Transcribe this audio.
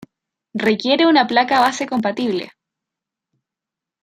Requiere una placa base compatible.